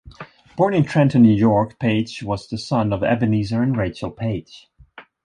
Born in Trenton, New York, Page was the son of Ebenezer and Rachael Page.